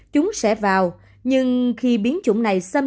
chúng sẽ vào nhưng khi biến chủng này xuất hiện